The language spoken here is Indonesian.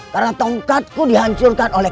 karena tongkatku dihancurkan oleh